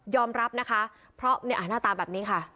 รับนะคะเพราะหน้าตาแบบนี้ค่ะ